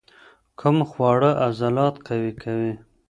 کوم خواړه عضلات قوي کوي؟